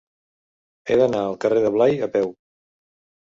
He d'anar al carrer de Blai a peu.